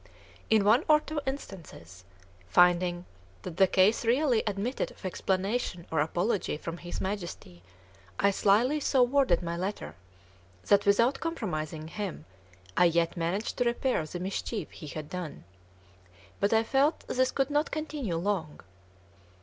In one or two instances, finding that the case really admitted of explanation or apology from his Majesty, I slyly so worded my letter, that, without compromising him, I yet managed to repair the mischief he had done. But I felt this could not continue long.